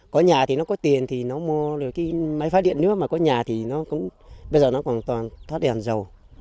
có nhà thì nó có tiền thì nó mua được cái máy phát điện nước mà có nhà thì nó cũng bây giờ nó còn toàn thoát đèn dầu